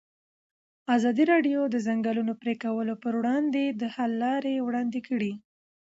ازادي راډیو د د ځنګلونو پرېکول پر وړاندې د حل لارې وړاندې کړي.